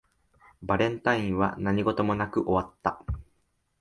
バレンタインは何事もなく終わった